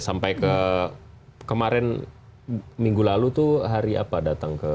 sampai ke kemarin minggu lalu itu hari apa datang ke